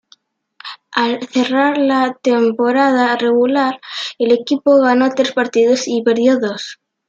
Al cerrar la temporada regular, el equipo ganó tres partidos y perdió dos.